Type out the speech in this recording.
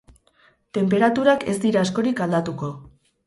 Tenperaturak ez dira askorik aldatuko.